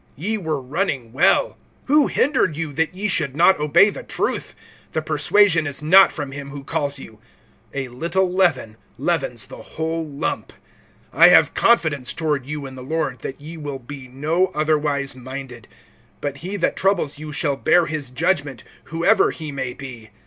(7)Ye were running well; who hindered you, that ye should not obey the truth? (8)The persuasion is not from him who calls you. (9)A little leaven leavens the whole lump. (10)I have confidence toward you in the Lord, that ye will be no otherwise minded; but he that troubles you shall bear his judgment, whoever he may be.